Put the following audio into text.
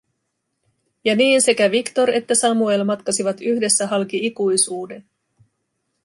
Ja niin sekä Victor että Samuel matkasivat yhdessä halki ikuisuuden.